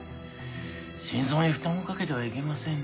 心臓に負担をかけてはいけません。